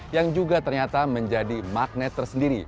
yang juga ternyata menjadi magnet tersendiri